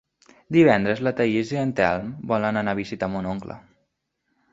Divendres na Thaís i en Telm volen anar a visitar mon oncle.